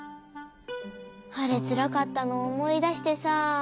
あれつらかったのおもいだしてさあ。